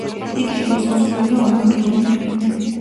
იგი შემოსაზღვრულია ორმაგი მემბრანით.